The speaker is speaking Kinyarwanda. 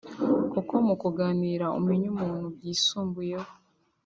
kuko mu kuganira umenya umuntu byisumbuyeho